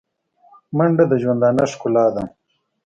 منډه د ژوندانه ښکلا ده